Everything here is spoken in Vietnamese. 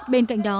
bên cạnh đó